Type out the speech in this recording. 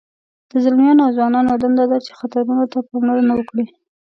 د ځلمیانو او ځوانانو دنده ده چې خطرونو ته پاملرنه وکړي.